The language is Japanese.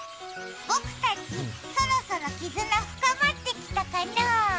僕たち、そろそろ絆、深まってきたかな？